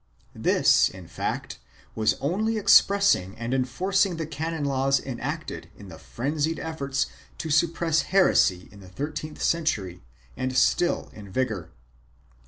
2 This, in fact, was only expressing and enforcing the canon laws enacted in the frenzied efforts to suppress heresy in the thirteenth century and still in vigor.